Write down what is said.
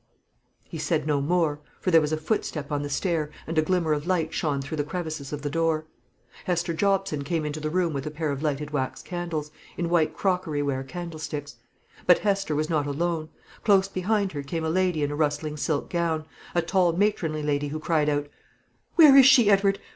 He said no more, for there was a footstep on the stair, and a glimmer of light shone through the crevices of the door. Hester Jobson came into the room with a pair of lighted wax candles, in white crockery ware candlesticks. But Hester was not alone; close behind her came a lady in a rustling silk gown, a tall matronly lady, who cried out, "Where is she, Edward?